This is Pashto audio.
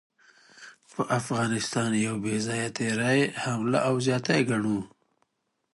په افغانستان يو بې ځايه تېرے، حمله او زياتے ګڼلو